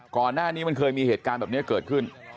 ก่อนหน้านี้มันเคยมีเหตุการณ์แบบนี้เกิดขึ้น